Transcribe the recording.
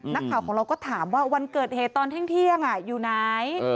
นักข่าวของเราก็ถามว่าวันเกิดเหตุตอนเที่ยงอยู่ไหน